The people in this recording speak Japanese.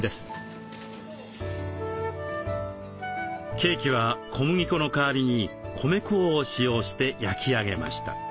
ケーキは小麦粉の代わりに米粉を使用して焼き上げました。